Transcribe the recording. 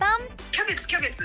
「キャベツキャベツ！